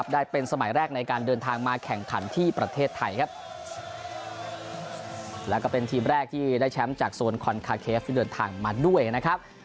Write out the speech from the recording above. ได้เป็นสมัยแรกในการเดินทางมาแข่งขันที่ประเทศไทยครับแล้วก็เป็นทีมแรกที่ได้แชมป์จากโซนคอนคาเคฟที่เดินทางมาด้วยนะครับ